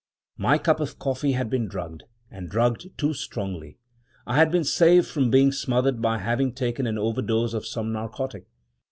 My cup of coffee had been drugged, and drugged too strongly. I had been saved from being smothered by having taken an overdose of some narcotic.